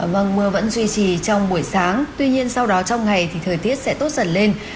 vâng mưa vẫn duy trì trong buổi sáng tuy nhiên sau đó trong ngày thì thời tiết sẽ tốt dần lên